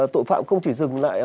tội phạm không chỉ dừng lại